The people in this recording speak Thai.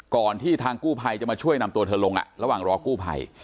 ที่ทางกู้ภัยจะมาช่วยนำตัวเธอลงระหว่างรอกู้ภัย